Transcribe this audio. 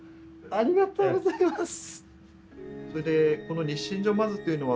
ありがとうございます。